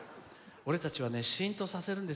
俺たちはシーンとさせるんです。